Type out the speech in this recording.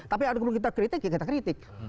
tapi ada yang kita kritik kita kritik